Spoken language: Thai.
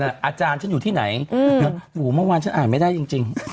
นี่อาจารย์ฉันอยู่ที่ไหนโหมากว่าฉันอ่าภัยไม่ได้จริง